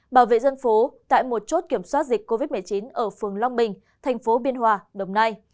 bảo vệ dân phố tại một chốt kiểm soát dịch covid một mươi chín ở phường long bình thành phố biên hòa đồng nai